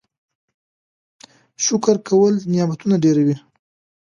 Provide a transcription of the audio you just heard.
شکر کول نعمتونه ډیروي.